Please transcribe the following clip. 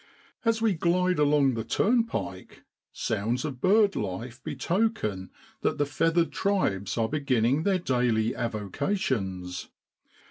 As we glide along the 'turnpike' sounds of bird life betoken that the feathered tribes are beginning their daily avocations.